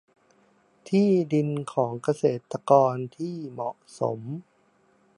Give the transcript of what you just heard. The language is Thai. ที่ดินของเกษตรกรที่เหมาะสม